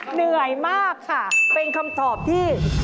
เหนื่อยมากค่ะเป็นคำตอบที่